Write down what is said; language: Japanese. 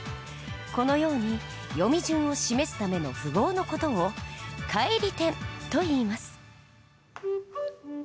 このように読み順を示すための符号の事を「返り点」といいます。